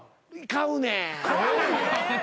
買うねん。